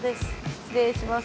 失礼します。